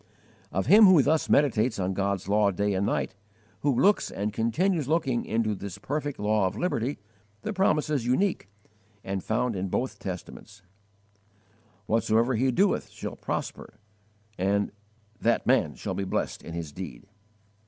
Of him who thus meditates on God's law day and night, who looks and continues looking into this perfect law of liberty, the promise is unique, and found in both Testaments: "Whatsoever he doeth shall prosper"; "that man shall be blessed in his deed."